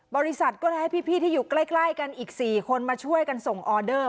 บริษัทก็เลยให้พี่ที่อยู่ใกล้กันอีก๔คนมาช่วยกันส่งออเดอร์